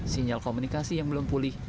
sinyal komunikasi yang belum pulih